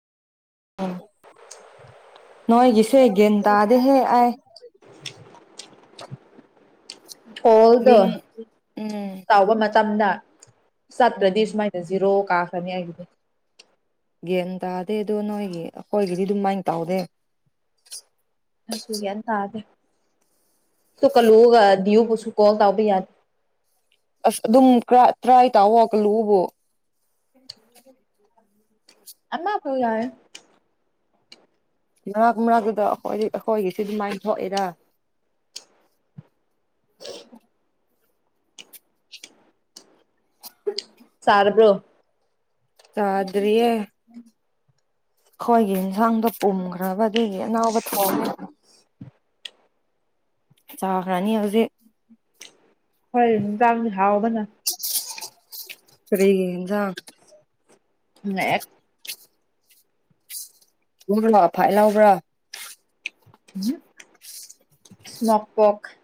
ꯑꯣ ꯅꯣꯏꯒꯤꯁꯦ ꯒ꯭ꯌꯥꯟ ꯇꯥꯗꯦꯍꯦ ꯑꯩ [inaudible] ꯒꯣꯜꯗꯣ ꯃꯤꯡ ꯎꯝ ꯇꯥꯎꯕ ꯃꯇꯝꯗ ꯎꯝ ꯆꯠꯇ꯭ꯔꯗꯤ ꯁꯨꯃꯥꯏꯅ ꯖꯤꯔꯣ ꯀꯥꯈ꯭ꯔꯅꯤ ꯑꯩꯒꯤꯗꯤ ꯒ꯭ꯌꯥꯟ ꯇꯥꯗꯦ ꯑꯗꯣ ꯅꯣꯏꯒꯤ ꯑꯩꯈꯣꯏꯒꯤꯗꯤ ꯑꯗꯨꯃꯥꯏꯅ ꯇꯧꯗꯦ ꯑꯩꯁꯨ ꯒ꯭ꯌꯥꯟ ꯇꯥꯗꯦ ꯑꯗꯨ ꯁꯨꯀꯜꯂꯨꯒ ꯗꯤꯌꯨ ꯁꯨ ꯀꯣꯜ ꯇꯧꯕ ꯌꯥꯢ ꯑꯁ ꯑꯗꯨꯝ ꯇ꯭ꯔꯥꯢ ꯇꯧꯋꯣ ꯀꯜꯂꯨꯕꯣ [inaudible] ꯑꯃꯐꯥꯎ ꯌꯥꯢ ꯃꯔꯛ ꯃꯔꯛꯇꯨꯗ ꯑꯩꯈꯣꯏ ꯑꯩꯈꯣꯏꯒꯤꯁꯨ ꯑꯗꯨꯃꯥꯏꯅ ꯊꯣꯛꯑꯦꯗ [inaudible] ꯆꯔꯕ꯭ꯔꯣ ꯆꯗ꯭ꯔꯤꯌꯦ [inaudible] ꯑꯩꯈꯣꯏꯒꯤ ꯌꯦꯟꯁꯥꯡꯗꯣ ꯄꯨꯝꯈ꯭ꯔꯕ ꯑꯗꯨꯒꯤ ꯑꯅꯥꯎꯕ ꯊꯣꯡꯉꯦ꯫ ꯆꯥꯈꯔꯅꯤ ꯍꯧꯖꯤꯛ ꯈꯣꯏ ꯍꯤꯟꯖꯥꯡꯗꯤ ꯍꯥꯎꯕꯅ ꯀꯔꯤꯒꯤ ꯍꯤꯟꯖꯥꯡ [unintelligible] [unintelligible] ꯐꯥꯏꯠ ꯂꯥꯎꯕ꯭ꯔꯥ ꯏꯁꯃꯣꯛꯄꯣꯛ